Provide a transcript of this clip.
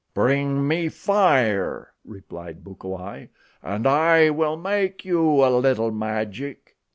"Bring me fire," replied Bukawai, "and I will make you a little magic."